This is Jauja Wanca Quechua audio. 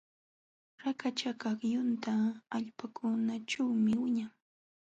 Rakachakaq yunka allpakunaćhuumi wiñan.